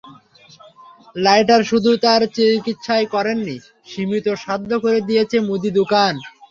Lighter শুধু তাঁর চিকিৎসাই করায়নি, সীমিত সাধ্যে করে দিয়েছে মুদি দোকান।